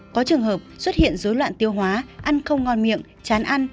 có trường hợp xuất hiện dối loạn tiêu hóa ăn không ngon miệng chán ăn